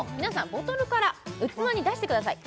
ボトルから器に出してください